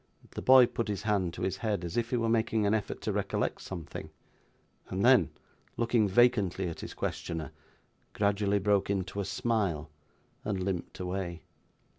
The boy put his hand to his head as if he were making an effort to recollect something, and then, looking vacantly at his questioner, gradually broke into a smile, and limped away.